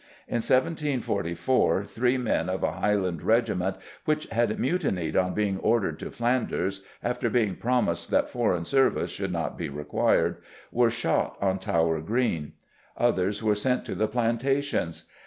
In 1744 three men of a Highland regiment, which had mutinied on being ordered to Flanders after being promised that foreign service should not be required, were shot on Tower Green; others were sent to the plantations.